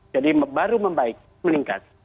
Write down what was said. jadi baru membaik meningkat